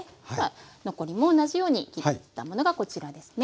残りも同じように切ったものがこちらですね。